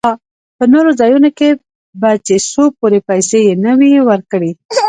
په نورو ځايو کښې به چې څو پورې پيسې يې نه وې ورکړې.